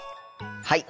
はい！